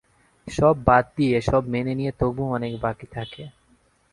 সব বাদ দিয়ে সব মেনে নিয়ে তবু অনেক বাকি থাকে।